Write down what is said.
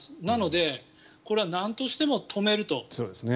なので、これはなんとしても止めると。